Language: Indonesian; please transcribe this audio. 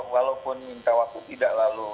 walaupun minta waktu tidak lalu